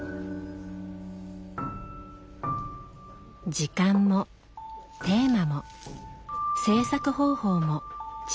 時間もテーマも制作方法も自由。